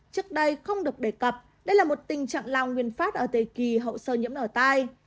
trước đây không được đề cập đây là một tình trạng lao nguyên phát ở thời kỳ hậu sơ nhiễm ở tai